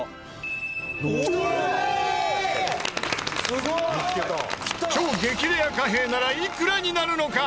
すごい！超激レア貨幣ならいくらになるのか？